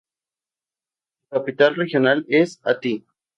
La capital regional es Ati.